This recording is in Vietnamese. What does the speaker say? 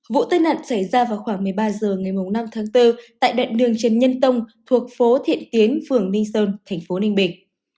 vụ tai nạn xảy ra vào khoảng một mươi ba h ngày năm tháng bốn tại đoạn đường trần nhân tông thuộc phố thiện tiến phường ninh sơn thành phố ninh bình